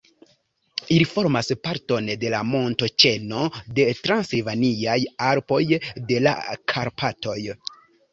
Ili formas parton de la montoĉeno de Transilvaniaj Alpoj de la Karpatoj.